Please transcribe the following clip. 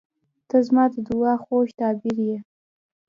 • ته زما د دعا خوږ تعبیر یې.